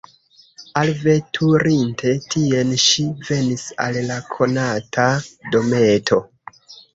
Alveturinte tien, ŝi venis al la konata dometo.